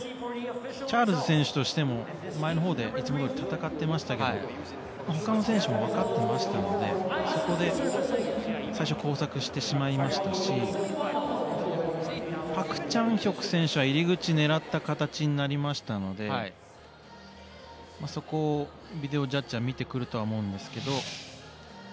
チャールズ選手としても前の方でいつもどおり戦っていましたので他の選手も分かっていましたのでそこで交錯してしまいましたしパク・チャンヒョク選手は入り口狙った形になりましたのでそこをビデオジャッジは見てくると思うんですが。